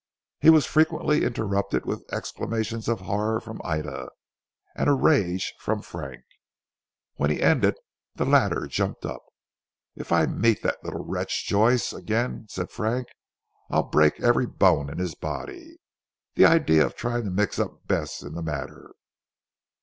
He was frequently interrupted with exclamations of horror from Ida, and of rage from Frank. When he ended, the latter jumped up. "If I meet that little wretch, Joyce, again," said Frank, "I'll break every bone in his body. The idea of trying to mix up Bess in the matter."